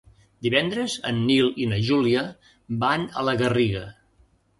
Divendres en Nil i na Júlia van a la Garriga.